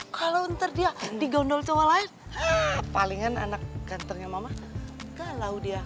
kalau ntar dia digondol cowok lain palingan anak ganternya mama galau dia